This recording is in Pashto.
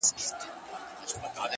بیا خرڅ کړئ شاه شجاع یم پر پردیو”